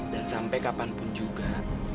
dan sampai kapanpun juga